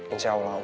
insya allah om